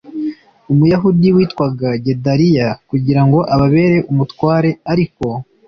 Umuyahudi witwaga Gedaliya kugira ngo ababere umutware ariko